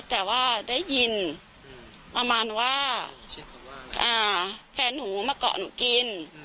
แต่ว่าได้ยินประมาณว่าแฟนหนูมาเกาะหนูกิน